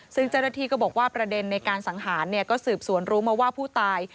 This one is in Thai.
ซึ่งเจ้าหน้าที่ก็บอกว่าประเด็นในการสังหารก็สืบสวนรู้มาว่าผู้ตาย